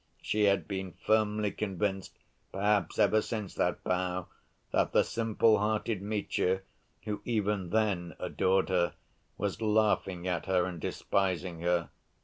She had been firmly convinced, perhaps ever since that bow, that the simple‐hearted Mitya, who even then adored her, was laughing at her and despising her.